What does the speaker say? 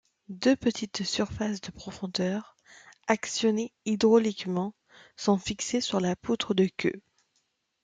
Deux petites surfaces de profondeur, actionnées hydrauliquement, sont fixées sur la poutre de queue.